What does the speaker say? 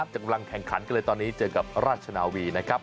กำลังแข่งขันกันเลยตอนนี้เจอกับราชนาวีนะครับ